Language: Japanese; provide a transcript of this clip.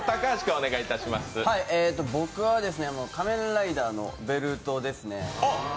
僕は、仮面ライダーのベルトですね。